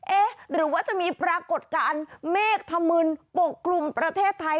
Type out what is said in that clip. เอ๊ะหรือว่าจะมีปรากฏการณ์เมฆธมืนปกกลุ่มประเทศไทย